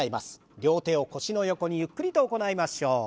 両手を腰の横にゆっくりと行いましょう。